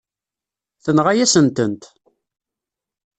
Tenɣa-yasen-tent.